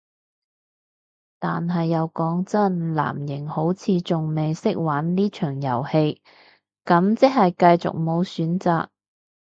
但係又講真，藍營好似仲未識玩呢場遊戲，咁即係繼續無選擇